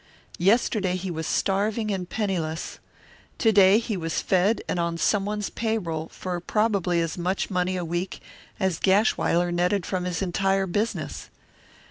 Yesterday he was starving and penniless; to day he was fed and on someone's payroll for probably as much money a week as Gashwiler netted from his entire business.